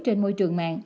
trên môi trường mạng